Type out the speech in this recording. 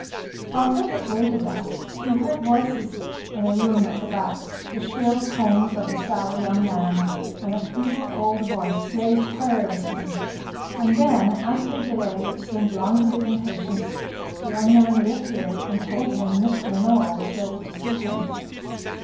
While Gilbert waited thus he heard voices in a room at the back the shrill tones of the sallow young man and a feeble old voice raised querulously and then, after a delay which seemed long to his impatience, the young man reappeared and told him Mr. Nowell was ready to see him.